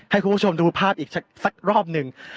ให้คุณผู้ชมดูภาพอีกสักรอบหนึ่ง